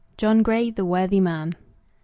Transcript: John Grey, the Worthy Man. Mr.